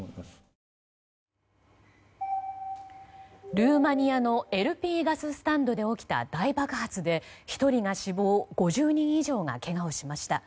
ルーマニアのＬＰガススタンドで起きた大爆発で１人が死亡５０人以上がけがをしました。